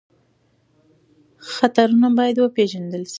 خطرونه باید وپېژندل شي.